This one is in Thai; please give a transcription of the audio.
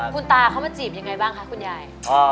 คุณตาเขามาจีบยังไงบ้างคะคุณยาย